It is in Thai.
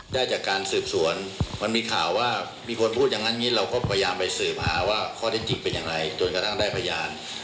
ได้จากการสืบสวนมันมีข่าวว่ามีคนพูดอย่างนั้นอย่างนี้เราก็พยายามไปสืบหาว่าข้อได้จริงเป็นอย่างไรจนกระทั่งได้พยาน